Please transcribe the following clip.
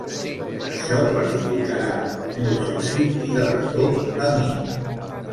Això perjudicarà el meu soci i, de retop, a mi.